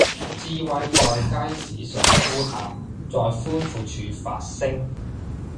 智慧在街市上呼喊，在寬闊處發聲